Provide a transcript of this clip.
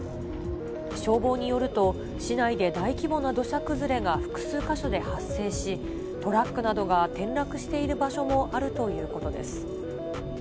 消防によると、市内で大規模な土砂崩れが複数箇所で発生し、トラックなどが転落している場所もあるということです。